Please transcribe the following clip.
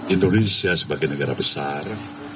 indonesia sebagai negara besar